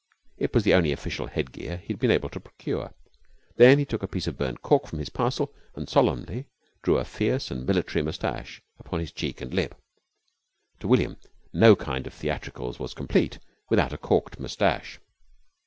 It was the only official headgear he had been able to procure. Then he took a piece of burnt cork from his parcel and solemnly drew a fierce and military moustache upon his cheek and lip. To William no kind of theatricals was complete without a corked moustache.